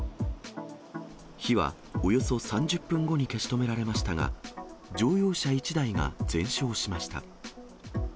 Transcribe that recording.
火はおよそ３０分後に消し止められましたが、乗用車１台が全焼しました。